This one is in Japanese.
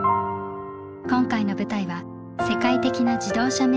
今回の舞台は世界的な自動車メーカーの本拠地